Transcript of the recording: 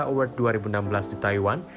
award dua ribu enam belas di taiwan